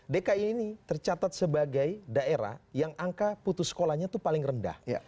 dki ini tercatat sebagai daerah yang angka putus sekolahnya itu paling rendah